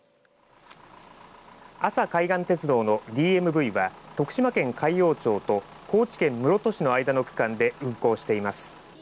阿佐海岸鉄道のＤＭＶは徳島県海陽町と高知県室戸市の間の区間で運行しています。